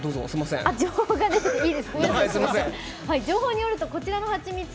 情報によると、こちらのハチミツ